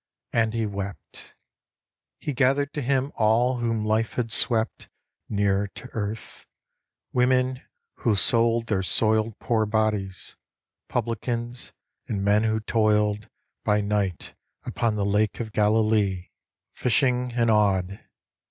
And he wept. He gathered to him all whom Life had swept Nearer to earth : women who sold their soiled Poor bodies, publicans, and men who toiled By night upon the Lake of Galilee, IN THE NET OF THE STARS Fishing and awed.